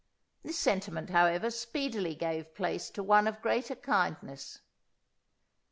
This sentiment however speedily gave place to one of greater kindness.